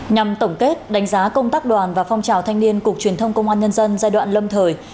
nhằm tổng kết đánh giá công tác đoàn và phong trào thanh niên cục truyền thông công an nhân dân giai đoạn lâm thời